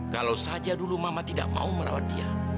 kalau saja dulu mama tidak mau merawat dia